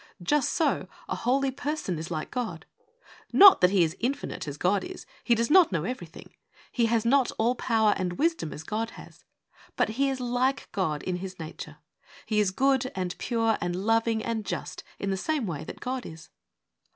Just so, a holy person is like God. Not that he is infinite as God is ; he does not know everything ; he has not all power and wisdom as God has ; but he is like God in his nature. He is good and pure, and loving and just, in the same way that God is.